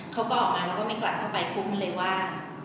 เขาก็ออกมาแล้วก็ไม่กลับเข้าไปปุ๊บมันเลยว่า